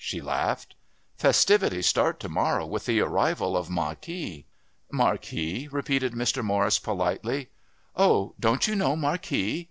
She laughed. "Festivities start to morrow with the arrival of Marquis." "Marquis?" repeated Mr. Morris politely. "Oh, don't you know Marquis?